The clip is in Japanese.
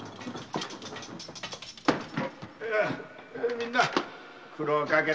みんな苦労かけたな。